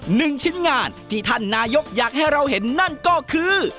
หนึ่งชิ้นงานที่ท่านนายกอยากให้เราเห็นนั่นก็คือ